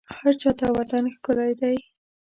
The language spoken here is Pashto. هرچا ته وطن ښکلی دی